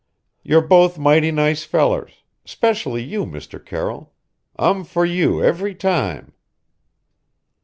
"You're both mighty nice fellers especially you, Mr. Carroll. I'm for you every time!"